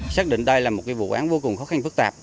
xác định đây là một vụ án vô cùng khó khăn phức tạp